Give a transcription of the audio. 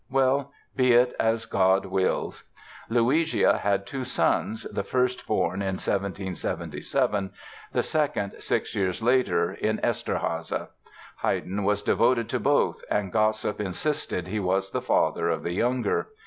Well, be it as God wills." Luigia had two sons, the first born in 1777, the second six years later, in Eszterháza. Haydn was devoted to both, and gossip insisted he was the father of the younger.